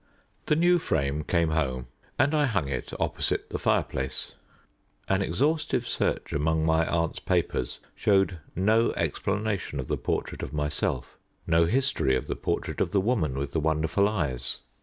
The new frame came home, and I hung it opposite the fireplace. An exhaustive search among my aunt's papers showed no explanation of the portrait of myself, no history of the portrait of the woman with the wonderful eyes.